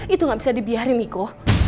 itu gak bisa dibiarin miko